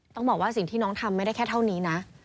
ต้องบอกว่าสิ่งที่น้องทำไม่ได้แค่เท่านี้นะ